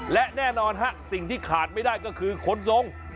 และแน่นอนฮะสิ่งที่ขาดไม่ได้ก็คือคนทรง